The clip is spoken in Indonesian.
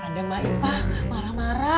ada maipah marah marah